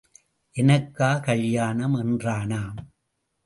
எனக்கா கல்யாணம் என்றானாம்.